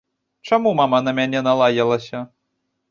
Чаму мама на мяне налаялася?